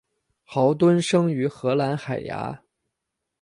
豪敦生于荷兰海牙。